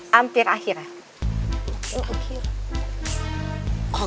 hampir akhir ya